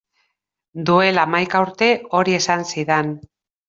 Duela hamaika urte hori esan zidan.